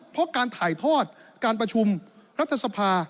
เพราะการถ่ายทอดการประชุมรัฐสภา